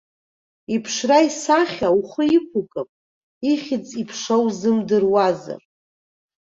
Иԥшра-исахьа ухы иқәукып, ихьӡ-иԥша узымдыруазар.